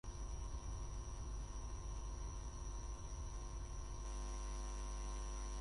La policía abrió una investigación sobre el asesinato que provocó la revuelta.